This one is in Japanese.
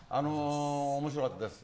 面白かったです。